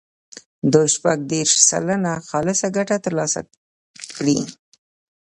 دوی شپږ دېرش سلنه خالصه ګټه ترلاسه کړي.